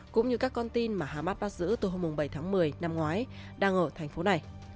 cũng như các con tin mà hamas bắt giữ từ hôm bảy tháng một mươi năm ngoái đang ở thành phố này